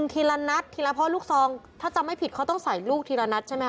ทีละนัดทีละพ่อลูกซองถ้าจำไม่ผิดเขาต้องใส่ลูกทีละนัดใช่ไหมค